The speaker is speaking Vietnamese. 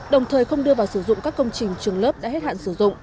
đồng thời không đưa vào sử dụng các công trình trường lớp đã hết hạn sử dụng